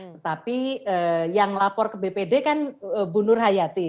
tetapi yang lapor ke bpd kan bu nur hayati